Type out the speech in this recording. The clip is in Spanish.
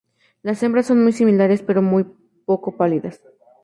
Las hembras son muy similares, pero un poco más pálidas.